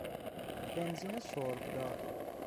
بنزین سربدار